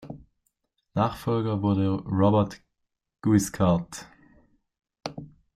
Nachfolger wurde Robert Guiskard.